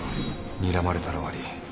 にらまれたら終わり。